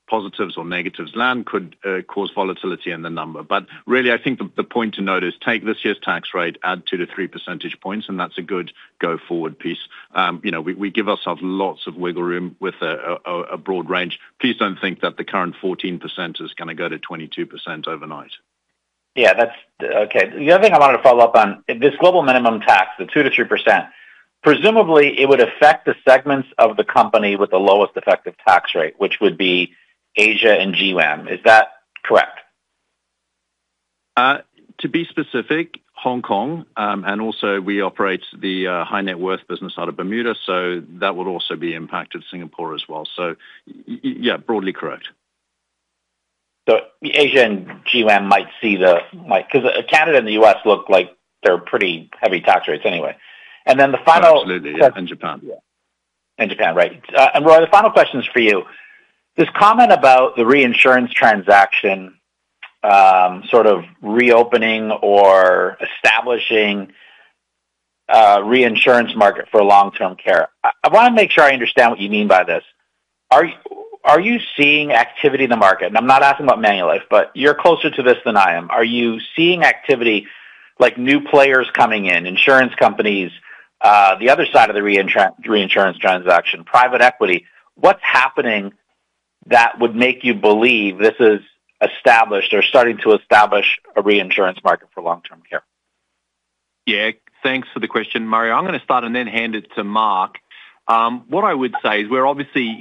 positives or negatives land, could cause volatility in the number. But really, I think the point to note is take this year's tax rate, add two-three percentage points, and that's a good go-forward piece. We give ourselves lots of wiggle room with a broad range. Please don't think that the current 14% is going to go to 22% overnight. Yeah. Okay. The other thing I wanted to follow up on, this Global Minimum Tax, the 2%-3%, presumably, it would affect the segments of the company with the lowest effective tax rate, which would be Asia and GWAM. Is that correct? To be specific, Hong Kong. And also, we operate the high-net-worth business out of Bermuda. So that would also be impacted, Singapore as well. So yeah, broadly correct. So Asia and GWAM might see the, because Canada and the US look like they're pretty heavy tax rates anyway. And then the final. Absolutely. Yeah. And Japan. Yeah. And Japan. Right. And Roy, the final question is for you. This comment about the reinsurance transaction sort of reopening or establishing reinsurance market for long-term care, I want to make sure I understand what you mean by this. Are you seeing activity in the market? And I'm not asking about Manulife, but you're closer to this than I am. Are you seeing activity, like new players coming in, insurance companies, the other side of the reinsurance transaction, private equity? What's happening that would make you believe this is established or starting to establish a reinsurance market for long-term care? Yeah. Thanks for the question, Mario. I'm going to start and then hand it to Mark. What I would say is, we obviously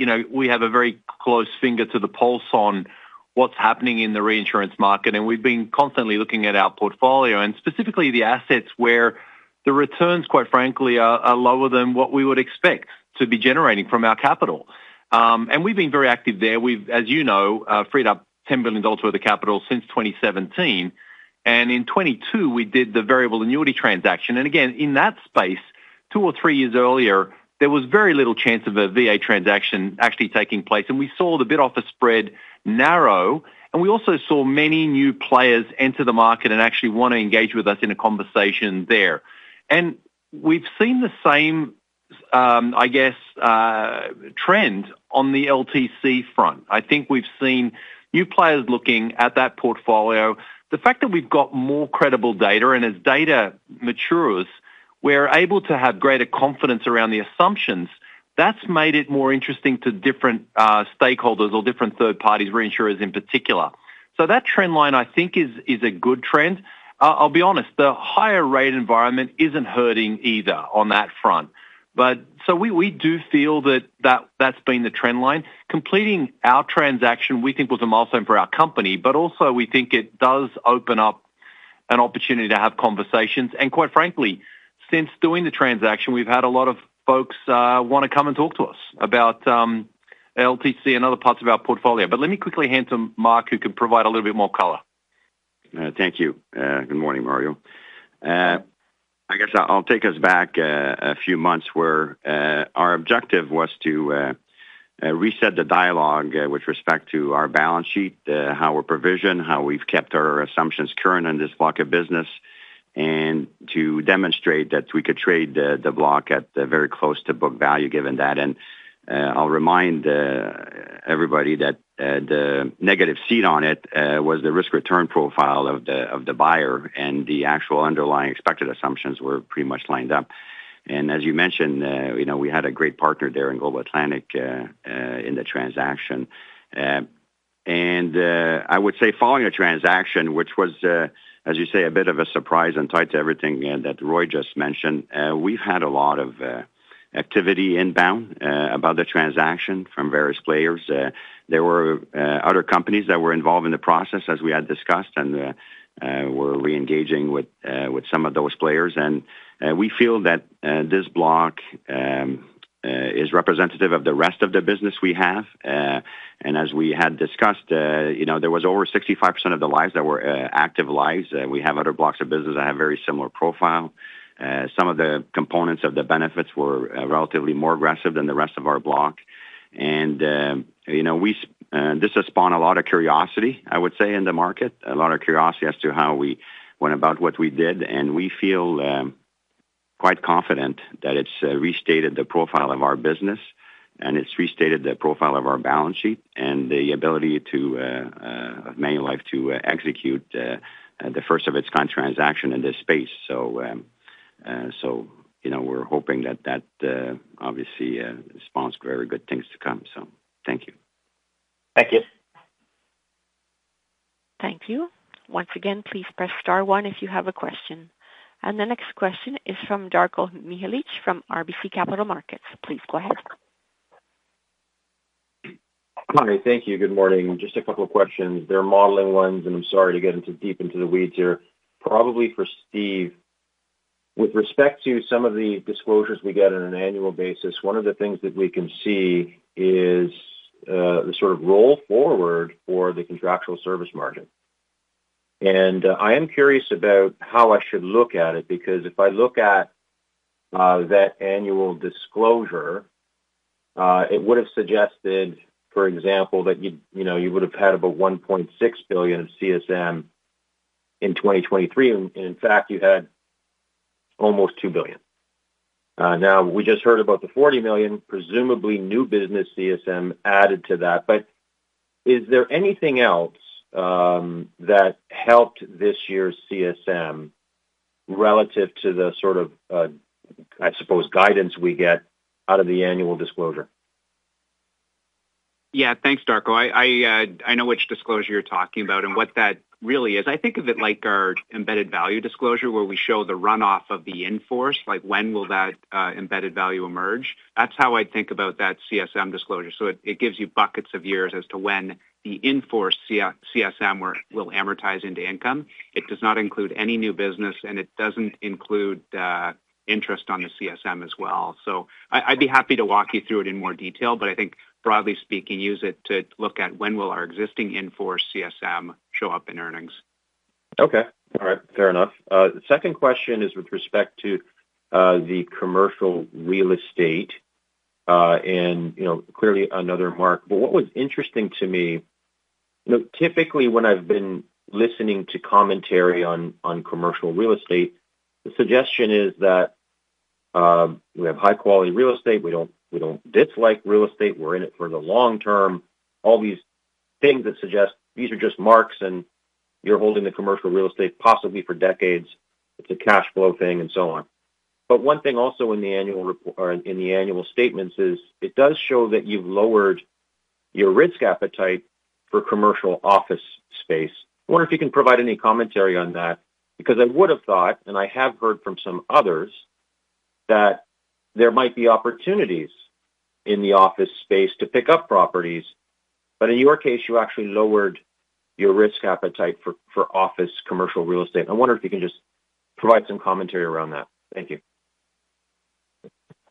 have a very close finger on the pulse on what's happening in the reinsurance market. We've been constantly looking at our portfolio and specifically the assets where the returns, quite frankly, are lower than what we would expect to be generating from our capital. We've been very active there. As you know, freed up $10 billion worth of capital since 2017. In 2022, we did the variable annuity transaction. Again, in that space, two or three years earlier, there was very little chance of a VA transaction actually taking place. We saw the bid-offer spread narrow. We also saw many new players enter the market and actually want to engage with us in a conversation there. We've seen the same, I guess, trend on the LTC front. I think we've seen new players looking at that portfolio. The fact that we've got more credible data, and as data matures, we're able to have greater confidence around the assumptions, that's made it more interesting to different stakeholders or different third parties, reinsurers in particular. So that trend line, I think, is a good trend. I'll be honest, the higher-rate environment isn't hurting either on that front. So we do feel that that's been the trend line. Completing our transaction, we think, was a milestone for our company. But also, we think it does open up an opportunity to have conversations. And quite frankly, since doing the transaction, we've had a lot of folks want to come and talk to us about LTC and other parts of our portfolio. But let me quickly hand to Mark, who can provide a little bit more color. Thank you. Good morning, Mario. I guess I'll take us back a few months where our objective was to reset the dialogue with respect to our balance sheet, how we're provisioned, how we've kept our assumptions current in this block of business, and to demonstrate that we could trade the block at very close to book value, given that. And I'll remind everybody that the negative ceded on it was the risk-return profile of the buyer. And the actual underlying expected assumptions were pretty much lined up. And as you mentioned, we had a great partner there in Global Atlantic in the transaction. And I would say following the transaction, which was, as you say, a bit of a surprise and tied to everything that Roy just mentioned, we've had a lot of activity inbound about the transaction from various players. There were other companies that were involved in the process, as we had discussed, and were reengaging with some of those players. We feel that this block is representative of the rest of the business we have. As we had discussed, there was over 65% of the lives that were active lives. We have other blocks of business that have very similar profile. Some of the components of the benefits were relatively more aggressive than the rest of our block. This has spawned a lot of curiosity, I would say, in the market, a lot of curiosity as to how we went about what we did. We feel quite confident that it's restated the profile of our business, and it's restated the profile of our balance sheet and the ability of Manulife to execute the first of its kind transaction in this space. So we're hoping that that obviously spawns very good things to come. So thank you. Thank you. Thank you. Once again, please press star one if you have a question. And the next question is from Darko Mihelic from RBC Capital Markets. Please go ahead. Hi. Thank you. Good morning. Just a couple of questions. They're modeling ones, and I'm sorry to get deep into the weeds here. Probably for Steve. With respect to some of the disclosures we get on an annual basis, one of the things that we can see is the sort of roll forward for the Contractual Service Margin. And I am curious about how I should look at it because if I look at that annual disclosure, it would have suggested, for example, that you would have had about 1.6 billion of CSM in 2023. And in fact, you had almost 2 billion. Now, we just heard about the 40 million, presumably new business CSM added to that. But is there anything else that helped this year's CSM relative to the sort of, I suppose, guidance we get out of the annual disclosure? Yeah. Thanks, Darko. I know which disclosure you're talking about and what that really is. I think of it like our embedded value disclosure where we show the runoff of the in-force, like when will that embedded value emerge. That's how I'd think about that CSM disclosure. So it gives you buckets of years as to when the in-force CSM will amortize into income. It does not include any new business, and it doesn't include interest on the CSM as well. So I'd be happy to walk you through it in more detail. But I think, broadly speaking, use it to look at when will our existing in-force CSM show up in earnings. Okay. All right. Fair enough. Second question is with respect to the commercial real estate. And clearly, another Mark. But what was interesting to me, typically, when I've been listening to commentary on commercial real estate, the suggestion is that we have high-quality real estate. We don't dislike real estate. We're in it for the long term. All these things that suggest these are just marks, and you're holding the commercial real estate possibly for decades. It's a cash flow thing and so on. But one thing also in the annual statements is it does show that you've lowered your risk appetite for commercial office space. I wonder if you can provide any commentary on that because I would have thought, and I have heard from some others, that there might be opportunities in the office space to pick up properties. But in your case, you actually lowered your risk appetite for office commercial real estate. I wonder if you can just provide some commentary around that. Thank you.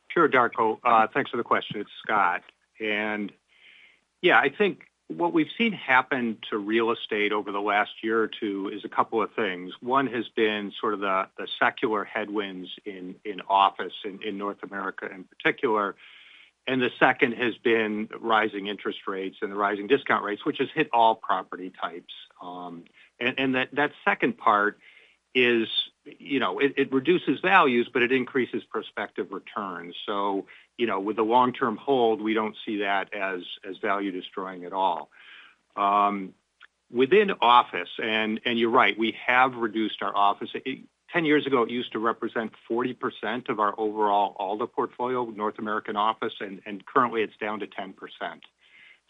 Sure, Darko. Thanks for the question. It's Scott. And yeah, I think what we've seen happen to real estate over the last year or two is a couple of things. One has been sort of the secular headwinds in office, in North America in particular. And the second has been rising interest rates and the rising discount rates, which has hit all property types. And that second part is it reduces values, but it increases prospective returns. So with the long-term hold, we don't see that as value-destroying at all. Within office, and you're right, we have reduced our office. 10 years ago, it used to represent 40% of our overall ALDA portfolio, North American office. And currently, it's down to 10%.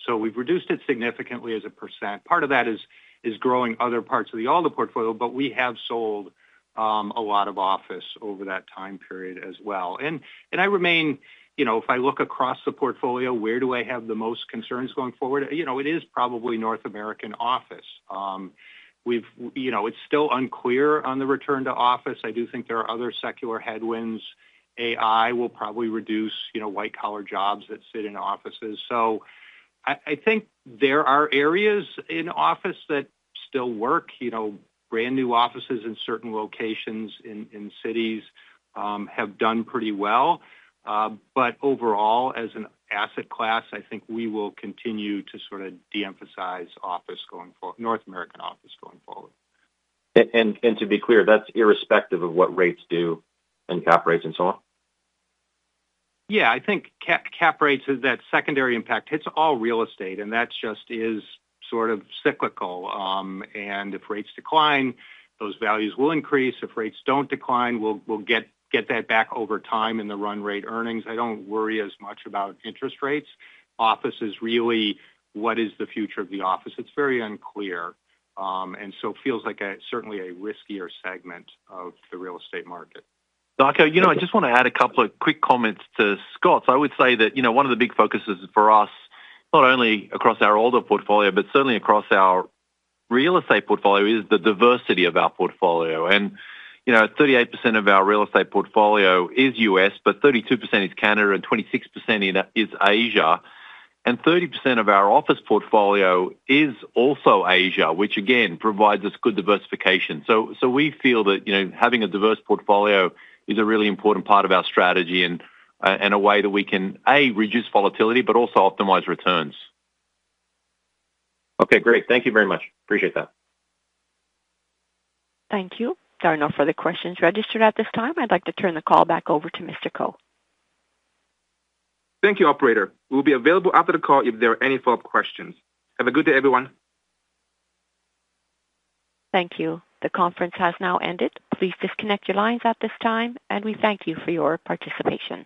So we've reduced it significantly as a percent. Part of that is growing other parts of the ALDA portfolio. But we have sold a lot of office over that time period as well. And I remain, if I look across the portfolio, where do I have the most concerns going forward? It is probably North American office. It's still unclear on the return to office. I do think there are other secular headwinds. AI will probably reduce white-collar jobs that sit in offices. So I think there are areas in office that still work. Brand new offices in certain locations in cities have done pretty well. But overall, as an asset class, I think we will continue to sort of de-emphasize North American office going forward. And to be clear, that's irrespective of what rates do and cap rates and so on? Yeah. I think cap rates is that secondary impact. It's all real estate, and that just is sort of cyclical. And if rates decline, those values will increase. If rates don't decline, we'll get that back over time in the run-rate earnings. I don't worry as much about interest rates. Office is really what is the future of the office. It's very unclear. And so feels like certainly a riskier segment of the real estate market. Darko, I just want to add a couple of quick comments to Scott. So I would say that one of the big focuses for us, not only across our ALDA portfolio but certainly across our real estate portfolio, is the diversity of our portfolio. And 38% of our real estate portfolio is US, but 32% is Canada, and 26% is Asia. And 30% of our office portfolio is also Asia, which again provides us good diversification. So we feel that having a diverse portfolio is a really important part of our strategy and a way that we can, A, reduce volatility but also optimize returns. Okay. Great. Thank you very much. Appreciate that. Thank you. There are no further questions registered at this time. I'd like to turn the call back over to Mr. Ko. Thank you, operator. We'll be available after the call if there are any follow-up questions. Have a good day, everyone. Thank you. The conference has now ended. Please disconnect your lines at this time. We thank you for your participation.